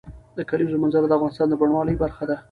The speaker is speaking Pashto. د کلیزو منظره د افغانستان د بڼوالۍ برخه ده.